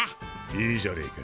いいじゃねえか。